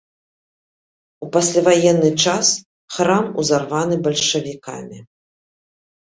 У пасляваенны час храм узарваны бальшавікамі.